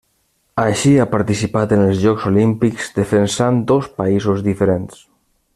Així ha participat en els Jocs Olímpics, defensant dos països diferents.